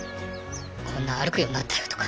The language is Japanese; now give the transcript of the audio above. こんな歩くようになったよとか。